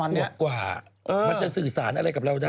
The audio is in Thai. แล้วเด็กกว่ากว่ามันจะสื่อสารอะไรกับเราได้